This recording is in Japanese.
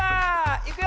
いくよ！